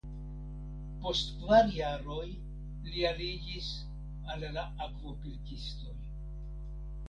Post kvar jaroj li aliĝis al la akvopilkistoj.